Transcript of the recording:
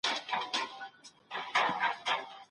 د ميرمني کوم خويونه زيات دي؟